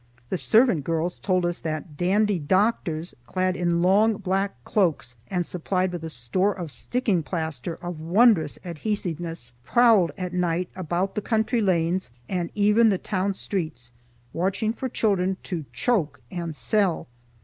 The servant girls told us that "Dandy Doctors," clad in long black cloaks and supplied with a store of sticking plaster of wondrous adhesiveness, prowled at night about the country lanes and even the town streets, watching for children to choke and sell.